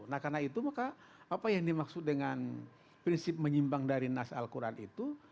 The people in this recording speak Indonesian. nah karena itu maka apa yang dimaksud dengan prinsip menyimpang dari nas al quran itu